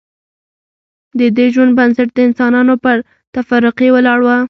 ددې ژوند بنسټ د انسانانو پر تفرقې ولاړ و